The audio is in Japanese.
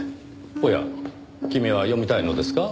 おや君は読みたいのですか？